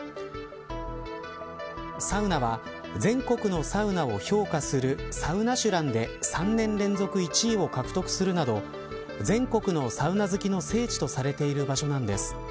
サウナは全国のサウナを評価するサウナシュランで３年連続１位を獲得するなど全国のサウナ好きの聖地とされている場所なんです。